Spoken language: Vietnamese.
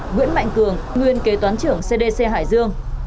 nguyễn mạnh cường nguyên kế toán trưởng cdc hải dương